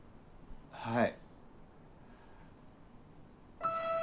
はい。